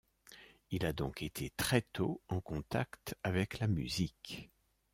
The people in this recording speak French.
Il a donc été très tôt en contact avec la musique.